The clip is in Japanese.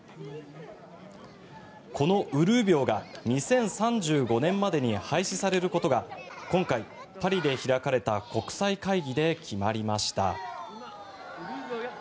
このうるう秒が２０３５年までに廃止されることが今回、パリで開かれた国際会議で決まりました。